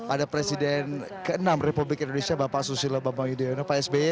ada presiden ke enam republik indonesia bapak susilo bambang yudhoyono pak sby